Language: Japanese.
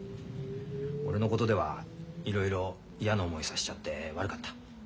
俺のことではいろいろ嫌な思いさしちゃって悪かった。